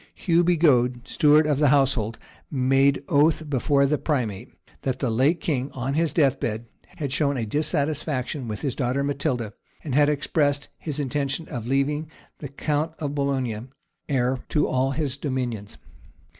Hugh Bigod, steward of the household, made oath before the primate, that the late king, on his death bed, had shown a dissatisfaction with his daughter Matilda, and had expressed his intention of leaving the count of Boulogne heir to all his dominions.